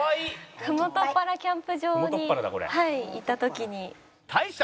ふもとっぱらキャンプ場に行った時に。